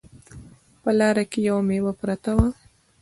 په لاره کې یوه میوه پرته وه